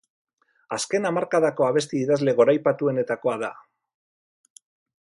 Azken hamarkadako abesti idazle goraipatuenetakoa da.